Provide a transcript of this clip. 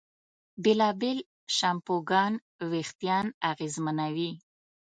بېلابېل شیمپوګان وېښتيان اغېزمنوي.